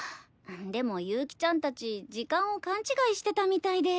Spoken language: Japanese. でも悠希ちゃんたち時間を勘違いしてたみたいで。